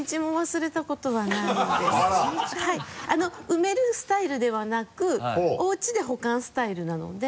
埋めるスタイルではなくおウチで保管スタイルなので。